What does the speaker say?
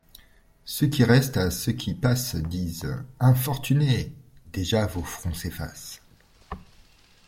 Ceux qui restent à ceux qui passent Disent: — Infortunés! déjà vos fronts s’effacent.